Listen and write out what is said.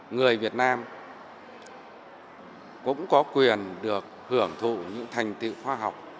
người việt nam cũng có quyền được hưởng thụ những thành tựu khoa học